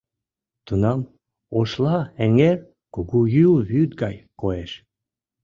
Тунам Ошла эҥер кугу Юл вӱд гай коеш.